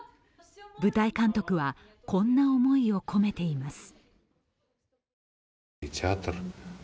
舞台監督はこんな思いを込めています。